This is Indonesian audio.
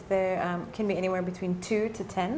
harganya kan ini cukup